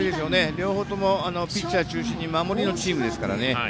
両方ともピッチャー中心に守りのチームですからね。